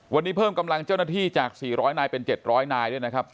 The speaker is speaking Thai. วันนี้เพิ่มกำลังเจ้าหน้าที่จาก๔๐๐นายเป็น๗๐๐นายด้วยนะครับ